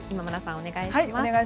お願いします。